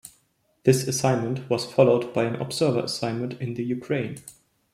This assignment was followed by an observer assignment in the Ukraine.